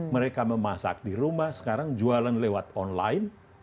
mereka memasak di rumah sekarang jualan lewat online